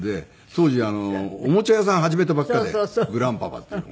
当時おもちゃ屋さん始めたばかりでグランパパっていう。